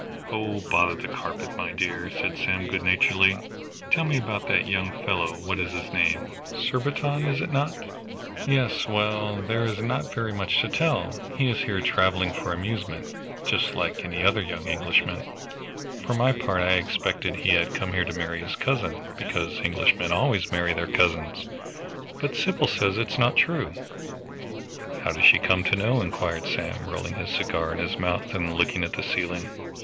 "Oh, bother the carpet, my dear," said Sam good naturedly; "tell me about that young fellow what is his name? Surbiton, is not it?" "Yes well, there is not very much to tell. He is here traveling for amusement, just like any other young Englishman. For my part I expected he had come here to marry his cousin, because Englishmen always marry their cousins. But Sybil says it is not true." "How does she come to know?" inquired Sam, rolling his cigar in his mouth and looking at the ceiling.